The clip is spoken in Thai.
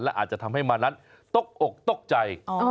และอาจจะทำให้มันนั้นตกอกตกใจ